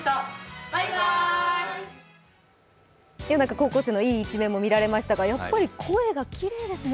高校生のいい一面が見られましたがやっぱり声がきれいですね。